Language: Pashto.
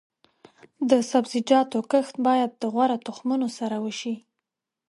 د سبزیجاتو کښت باید د غوره تخمونو سره وشي.